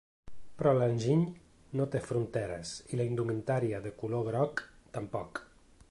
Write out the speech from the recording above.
Però l’enginy no té fronteres i la indumentària de color groc, tampoc.